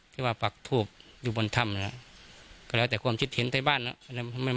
ที่ว่าปรักธูปอยู่บนธรรมละก็แล้วแต่ความชิดเห็นในบ้านละ